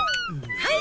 はい！